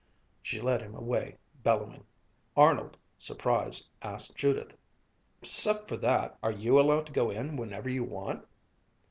She led him away bellowing. Arnold, surprised, asked Judith, "'Cept for that, are you allowed to go in whenever you want?"